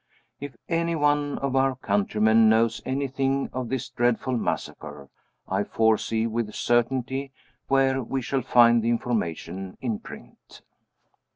If any one of our countrymen knows anything of this dreadful massacre, I foresee with certainty where we shall find the information in print.